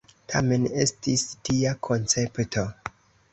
Tamen estis tia koncepto.